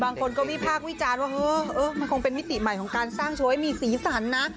บางคนก็วิพากษ์วิจารณ์ว่าเออมันคงเป็นมิติใหม่ของการสร้างโชว์ให้มีสีสันนะ